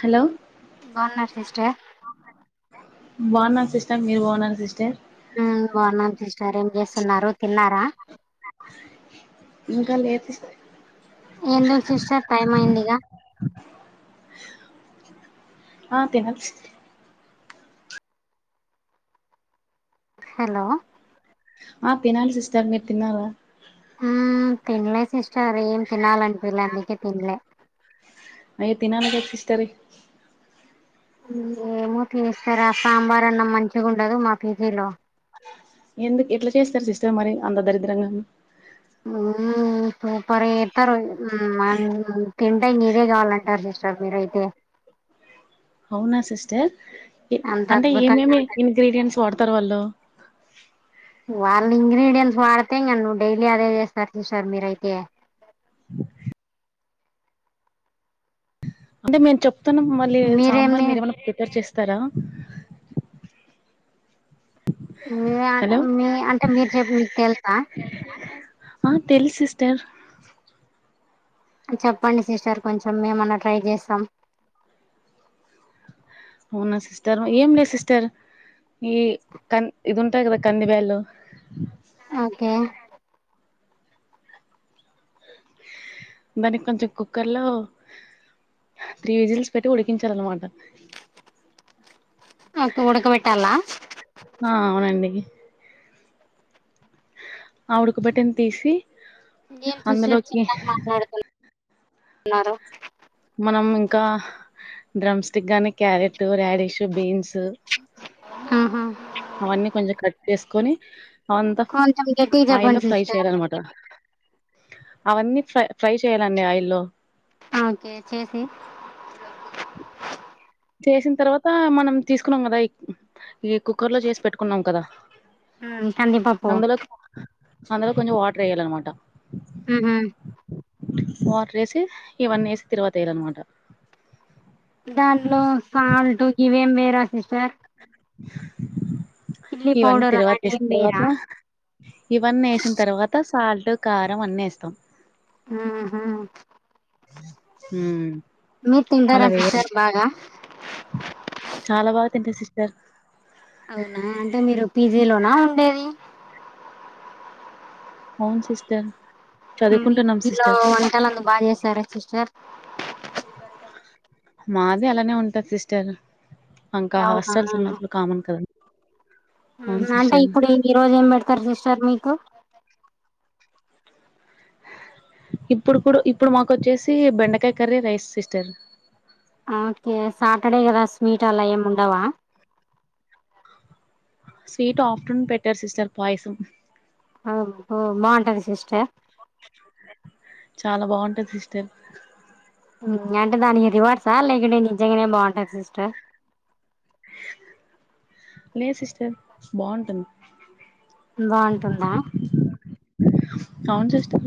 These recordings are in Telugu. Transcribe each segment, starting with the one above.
హలో బాగున్నార సిస్టర్ బాగున్నార సిస్టర్ మీరు బాగున్నార సిస్టర్ వ్మ్ బాన్నాను సిస్టర్ ఏం చేస్తున్నారు తిన్నారా ఇంకా లే సి ఎందుకు సిస్టర్ టైం అయింది గా ఆ తినాలి హలో ఆ తినాలి సిస్టర్ మీరు తిన్నార ఉమ్ తినలే సిస్టర్ ఏం తినాల అనిపీయలే అందుకే తిన్లే అయ్యో తినాలి గద సిస్టరి ఏమో తీస్తారా సాంబార్ అన్న మంచిగా ఉండదు మా పీ జి లో ఎందుకు ఎట్లా చేస్తారు సిస్టర్ మరి అంత దరిద్రంగాను ఉమ్ సూపర్ గా ఎత్తరు వ్మ్ మనం తింటే ఇంకా ఇదే కావాలంటారు సిస్ స మీ రైతే అవునా సిస్టర్ అంత అంటే అద్భుతంగా ఏమేమి ఉంటది ఇంగ్రీడియంట్స్ వాడతారు వాళ్ళు వాళ్ళ ఇంగ్రీడియంట్స్ వాడితే ఇంగ నువ్వు డైలీ అదే చేస్తారు సిసర్ మీరైతే అంటే మేము చెప్తాన్నామ్ మళ్ళీ సాంబార్ మీరేమి మీరు ఏమైనా ప్రిపేర్ చేస్తారా? మీ హలో మీ అంటే మీరు చెప్పి మీకు తెలుసా ఆ తెలుసు సిస్టర్ చెప్పండి సిస్టర్ కొంచెం మేమన్నా ట్రై చేస్తాం అవునా సిస్టర్ ఏం లేదు సిస్టర్ ఈ క ఇది ఉంటాయి కదా కంది బ్యాళ్లు ఓకే మరి కొంచెం కుక్కర్ లో త్రీ విజిల్స్ పెట్టి ఉడికించాలన్నమాట ఓకే ఉడక బేట్టాలా ఆ అవునండి ఆ ఉడక బెట్టింది తీసి ఏం సిస్టర్ అందులోకి చిన్నగా మాట్లాడుతు న్నారు మనం ఇంకా డ్రమ్ స్టిక్ గాని క్యారెట్, ర్యాడశ్, బీన్స్ తు ఆహా అవన్నీ కొంచెం కట్ చేసుకొని అంత కొంచెం గట్టిగా ఆయిల్లో చెప్పండి ఫ్రై సిస్టర్ చేయ్యాల అనమాట అవన్నీ ఫ్రై ఫ్రై చేయాలండి ఆయిల్లో ఓకే చేసి చేసిన తర్వాత మనం తీసుకున్నాం కదా ఈ కుక్కర్ లో చేసి పెట్టుకున్నాం కదా ఉమ్ కందిపప్పు అందులోకి అందులో కొంచెం వాటర్ వేయ్యాలి అనమాట ఉహుమ్ వాటర్ ఏసీ ఇవన్నీ ఏసి తిరగవాతు వేయ్యాలనమాట దానిలో సాల్ట్ గివేం వేరా సిస్టర్ చిల్లీ ఇవన్నీ పౌడర్ తిరువాత అలాంటి ఏం తేసిన తర్వాత వేయరా ఇవన్నీ వేసిన తర్వాత సాల్ట్ కారం అన్ని వేస్తాం ఆహ ఉం మీరు తింటార సిస్టర్ బాగా చాలా బాగా తింట సిస్టర్ అవునా అంటే మీరు పీజీ లోనా ఉండేది అవును సిస్టర్ మీ చదువుకుంటున్నాం బలో సిస్టర్ [unintelligible] వంటలుంద బాగా చేస్తారుా సిస్టర్ మాది అలానే ఉంటది సిస్టర్ ఇంకా అవునా హాస్టల్స్ ఉహు. ఉన్నప్పుడు కామన్ కదా అవును అంటే సిస్టర్ ఇప్పుడు ఈ రోజు ఏం పెడతారు సిస్టర్ మీకు ఇప్పుడు కూడా ఇప్పుడు మాకు వచ్చేసి బెండకాయ curry rice sister okay Saturday కదా స్వీట్ అలా ఏమి ఉండవా స్వీట్ ఆఫ్టర్నున్ పెట్టారు సిస్టర్ పాయసం అబ్బో బాగుంటదా సిస్టర్. చాలా బావుంటది సిస్టర్ ఉం అంటే దానికి రివర్స లేకంటే నిజంగానే బావుంటద సిస్టర్ లేదు సిస్టర్ బావుంటుంది బావుంటుందా అవును సిస్టర్‌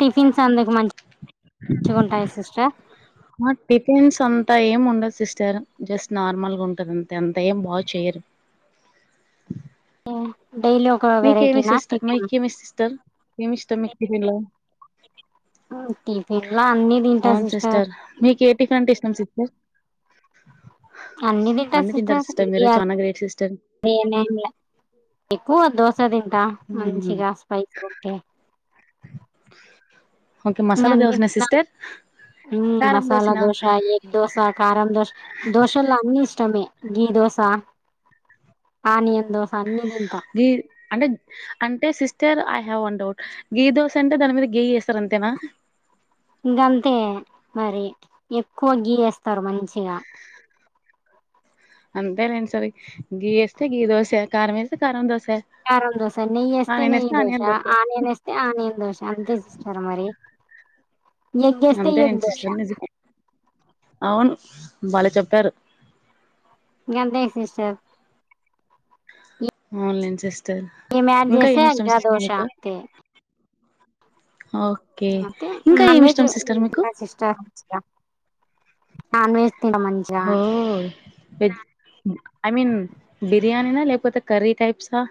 టిఫిన్స్ అందుకు మంచి మంచిగా ఉంటాయి సిస్టర్ ఆ టిఫిన్స్ అంతా ఏం ఉండదు సిస్టర్ జస్ట్ నార్మల్ గా ఉంటంది అంతే అంత ఏం బాగా చేయరు హా డైలీ ఒక మీకేమి వెరైటీనా సిస్టర్ టిఫిన్ మీకేమి సిస్టర్ ఏమి ఇష్టం మీకి టిపెన్ లో టిఫిన్ లో అన్ని తింటా అవును సిస్టర్ మీ కే టిఫిన్ అంటే ఇష్టం సిస్టర్ అన్ని తింటారు సిస్టర్ మీరు చానా గ్రేట్ సిస్టర్ నేను ఏమిలే ఎక్కువ దోశ తింటా మ్మ్. మంచిగా స్పైసీ ఉంటే ఓకే మసాలా దోశ నా సిస్టర్ ఉం కారం మసాలా దోసనా దోశ, ఎగ్ దోశ, కారం దోశ దోశలో అన్ని ఇష్టమే గీ దోస ఆనియన్ దోస అన్ని దింట ది అంటే అంటే sister I have one doubt ghee dosa అంటే దాని మీద గీ వేస్తర అంతేనా ఇంకంతే మరి ఎక్కువ గీ వేస్తారు మంచిగా అంతే లేండిసార్ గీ వేస్తే గీ దోశ కారం వేస్తే కారం దోశ కారం దోశా నెయ్యి వేస్తే ఆనియన్ నెయ్యి onion dosa dosa onion onion dosa అంతే సిస్టరు మరి ఎగ్ వేస్తే ఎగ్ అంతేలేండి దోస సిస్టర్ నిజమే అవును భలె చెప్పారు గంతే సిస్టర్ అవును లేండి సిస్ ఈమె యాడ్ చేస్తే ఇంకా దోశ అంతే ఓకే [unintelligible] ఇంకా ఏమి నన్వేజ ఇష్టం సిస్టర్ మీకు చష్ట [unintelligible] non veg తినమంచిగ [unintelligible] oh veg I mean బిర్యానీనా లేకపోతే కర్రీ టైప్సా,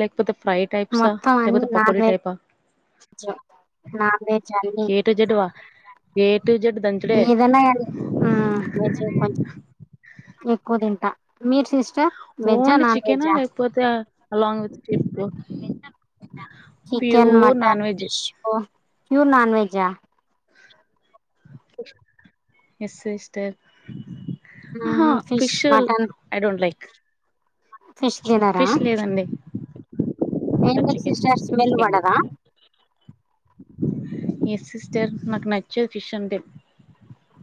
లేకపోతే ఫ్రై టైప్సా మొత్తం లేకపోతే అన్ని నాన్ పకోడీ టైపా వెజ్ నాన్ వెజ్ అన్ని ఎ టు జెడ్ వా ఏ టు జెడ్ ద ఏదన్నగాని మ్ కొంచెం ఎక్కువ తింటా మీరు సిస్టర్ వెజ్జా నాన్ వెజ్జా? పోతే along with trip chicken, mutton, fish pure non veg yes sister ఆహా ఉహు fish mutton I don't like fish తినర ఫిష్ లేదండి మటన్ ఎందుకు చికెన్ సిస్టర్ స్మెల్ ఎగ్ పడదా ఎస్ సిస్టర్ నాకు నచ్చదు ఫిష్ అంటే.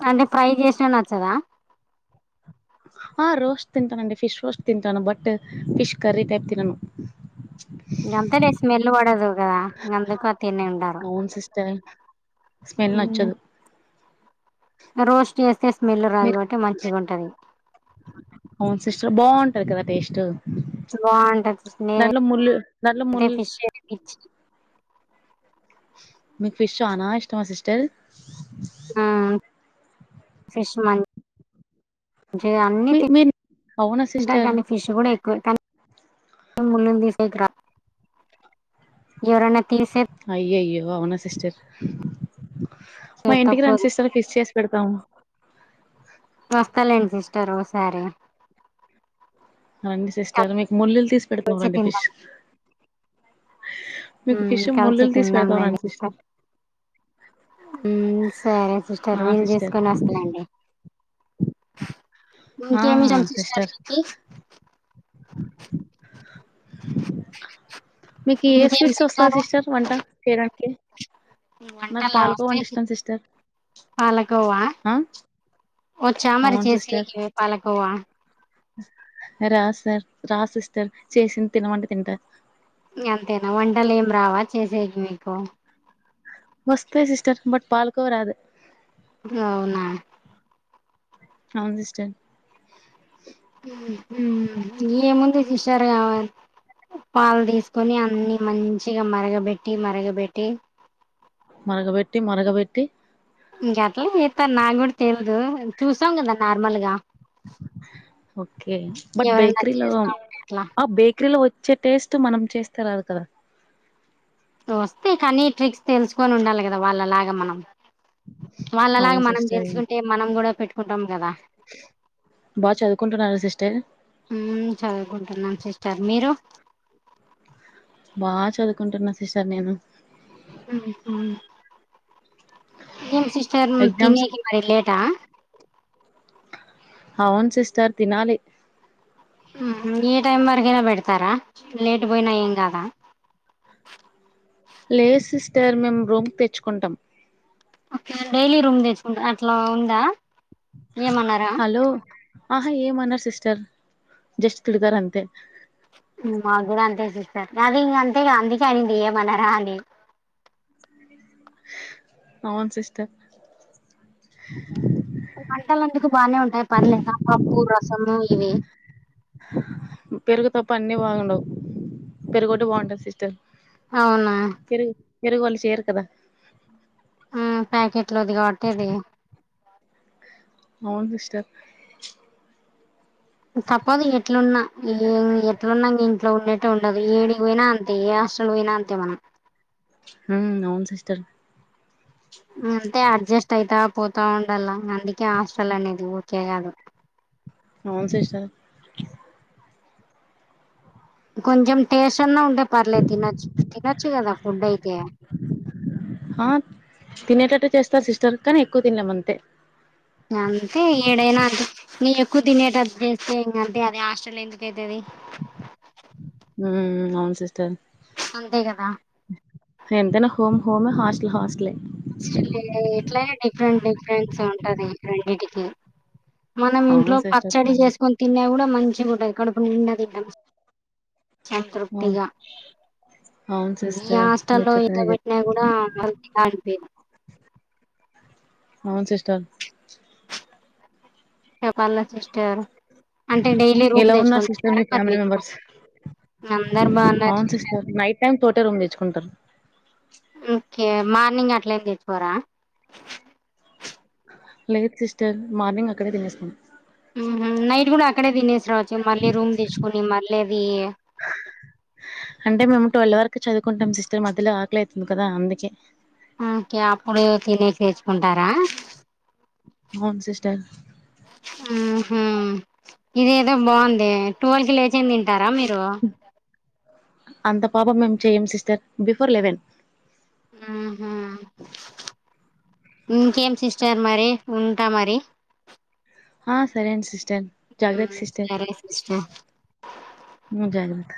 అంటే ఫ్రై చేసినా నచ్చదా? ఆ రోస్ట్ తింటానండి ఫిష్ రోస్ట్ తింటాను బట్ ఫిష్ కరీ టైప్ తినను. గంతేలే స్మెల్ పడదు కదా ఇంగ అందుకు తినుండరు అవున్ సిస్టర్ స్మెల్ నచ్చదు రోస్ట్ చేస్తే స్మెల్ రాదు కాబట్టి మంచిగుంటది. అవున్ సిస్టర్ బాగుంటది కదా టేస్ట్ బావుంటది సిస్ దాంట్లో ముళ్ళు దాంట్లో నేనైతె ముళ్ళు పిష్ అయితె పిచ్చి మీకు ఫిష్ చానా ఇష్టమా సిస్టర్ ఆ ఫిష్ మన్ మంచిగ అన్ని మీ మీరు అవునా తింటా సిస్టర్ కాని ఫిష్ కూడా ఎక్కువే కానీ ముళ్ళని తీసేకి రా ఎవరన్న తీసెత్ అయ్యయ్యో అవునా సిస్టర్ మా ఇంటికి రండి తప్పదు సిస్టర్ ఫిష్ చేసి పెడతాము వస్తాలేండి సిస్టర్ ఒకసారి రండి సిస్టర్ మీకు ముల్లులు తీసి పెడుతుం కలిసి రండి తిందాం ఫిష్ మీకు ఉమ్ ఫిష్ కలిసి ముల్లులు తీసి పెడతాం తిన్నాంలేండి రండి సిస్టర్ మ్ సరే సిస్టర్ ఆ వీలు సిస్టర్ చేసుకొని వస్తాలెండి ఆ ఇష్టం సిస్టర్ మీకి హ. హ మీకు ఏ ఇంకేం స్వీట్స్ వస్తా తింటారు సిస్టర్ వంట చేయడానికి మ్ నాకు వంటల పాలకోవ వస్తాయి అంటే సిస్ ఇష్టం సిస్టర్ పాలకోవ ఆ వచ్చా మరి అవును చేసికి పాలకోవా రాద్ సార్ రాద్ సిస్టర్ చేసింది తినమంటే తింటా ఇంగ అంతేనా వంటలు ఏం రావా చేసేకి మీకు వస్తాయి సిస్టర్ బట్ పాలకోవ రాదు అవునా అవును సిస్టర్ మ్ మ్ ఏముంది సిస్టర్ ఇగ పాలు తీసుకొని అన్ని మంచిగా మరగబెట్టి మరగబెట్టి మరగబెట్టి మరగబెట్టి ఇంగ అట్లే చెత్తారు నాకు కూడ తెలిదు చూసాం కదా నార్మల్ గా ఓకే బట్ ఎవరన్నా బేకిరిలో అ చేస్తా ఉంటే అట్లా బేక బేకరిలో వచ్చే టేస్ట్ మనం చేస్తే రాదు కదా? వస్తాయి కానీ ట్రిక్స్ తెలుసుకొని ఉండాలి కదా వాళ్ళలాగా మనం. వాళ్ళలాగ అవును మనం సిస్టర్ తెలుసుకుంటే మనం కూడా పెట్టుకుంటాం కదా. బా చదువుకుంటున్నారా సిస్టర్. మ్ చదువుకుంటున్నాం సిస్టర్. మీరు బా చదువుకుంటున్నా సిస్టర్ నేను. కుహు. ఏం సిస్టర్ ఎగ్జామ్స్ తినేకి మరి లేేటా? అవును సిస్టర్ తినాలి. ఏ టైం వరకైనా పెడతారా లేట్ పోయినా ఏం కాదా? లేదుసిస్టర్ మేము రూమ్కి తెచ్చుకుంటాం. ఓకే డైలీ రూమ్ తెచ్చుకుంటా అట్లా ఉందా. ఏమన్నారా హలో ఆహా ఏమ అనరు సిస్టర్ జస్ట్ తిడతారు అంతే మాకు కూడా అంతే సిట్టర్ అది ఇంక అంతే అందుకే అనింది ఏమీ అనరా అని అవును సిస్టర్ వంట లెందుకు బానే ఉంటాయి. పర్లేదా పప్పు, రసము ఇవి పెరుగు తప్ప అన్నీ బాగుండవు. పెరుగోటి బాగుంటాది సిస్టర్. అవునా పెరుగు పెరుగు వాళ్ళు చేయరు కదా? మ్ ప్యాకెట్ లోది కాబట్టి అది అవును సిస్టర్ తప్పదు ఎట్లున్న, ఎట్లున్నా ఇంట్లో ఉన్నట్టు ఉండదు ఏడికి పోయినా ఏ హాస్టల్ కి పోయినా అంతే మనం మ్ హు అవును సిస్టర్ అంతే అడ్జస్ట్ అయితా పోతా ఉండాల. అందుకే హాస్టల్ అనేది ఉరికే కాదు. అవును సిస్టర్ కొంచెం టేస్ట్ అన్నా ఉంటే పర్లేదు తినొచ్చు. తినొచ్చు కదా ఫుడ్ అయితే. ఆ తినేటట్టు చేస్తా సిస్టర్ కానీ ఎక్కువ తిన్లేము అంతే. అంతే ఏడైనా అంటే నే ఎక్కువ తినెట్టు చేస్తే ఇంకా అంతే అది హాటల్ ఎందుకు అయితాది మ్ అవును సిస్టర్ అంతే గదా ఎంతైనా హోమ్ హోమే హాస్టల్ హాస్టలే. ఎట్లైనా డిఫరెంట్ డిఫరెంట్స్ ఉంటది రెండింటికి. మనం ఇంట్లో అవును సిస్టర్ పచ్చడి చేసుకొని తిన్నా కూడా మంచిగుంటాది కడపు నిండా తింటాం. అవును సంతృప్తిగా. అవును ఈ సిస్టర్ మీరు హాస్టలో చెప్పింది నిజమే ఇట్లాబెట్టి నా కూడా ఆటికి ఆటికే. అవును సిస్టర్ పర్లేదు సిస్టర్ అంటే డైలీ రూమ్ ఎలా ఉన్నారు తెచ్చుకొని సిస్టర్ తింటారా మీ మరి ఫ్యామిలీ మీరు. మెంబర్స్ అందరు బాగున్నారు అవును సిస్టర్ నైట్ టైమ్ ఒకటే రూమ్ కి తెచ్చుకుంటారు. ఓకే, మార్నింగ్ అట్లేమ్ తెచ్చుకోరా? లేద్ సిస్టర్ మార్నింగ్ అక్కడే తినేస్తాం. మ్ హ్ నైట్ గుడా అక్కడే తినేసిరావచ్చు మళ్ళీ రూమ్ తెచ్చుకొని మళ్ళీ అది అంటే మేము ట్వెల్వ్ వరకు చదువుకుంటాం సిస్టర్. మధ్యలో ఆకలి అవుతుంది కదా అందుకే. ఓకే అప్పుడు తినేకి తెచ్చుకుంటారా. హవున్ సిస్టర్ ఊ హూ ఇదేదో బావుందే టువల్కి లేచైన దింటారా మీరు అంత పాపం మేం చెయ్యం సిస్టర్ బిఫోర్ లెవెన్ ఆ హ ఇంకేం సిస్టర్ మరి ఉంటా మరి ఆ సరే అండి సిస్టర్ జాగ్రత్త మ్, సిస్టర్ సరే సిస్టర్ ఉమ్ జాగ్రత్త